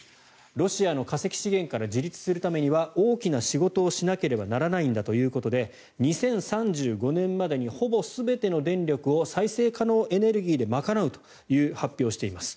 ロシアの化石資源から自立するためには大きな仕事をしなければならないんだということで２０３５年までにほぼ全ての電力を再生可能エネルギーで賄うという発表をしています。